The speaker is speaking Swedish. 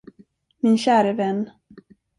Min käre vän!